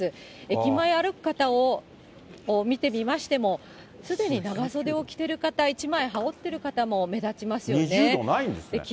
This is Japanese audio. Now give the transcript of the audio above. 駅前歩く方を見てみましても、すでに長袖を着ている方、１枚羽織ってる方も目立ちますよね。